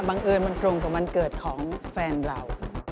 บังเอิญมันตรงกับวันเกิดของแฟนเรา